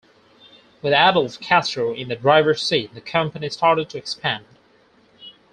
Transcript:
With Adolph Kastor in the driver's seat, the company started to expand.